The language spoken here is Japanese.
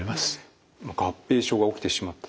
合併症が起きてしまった。